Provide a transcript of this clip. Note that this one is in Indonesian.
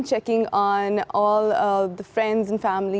semua teman dan keluarga yang anda miliki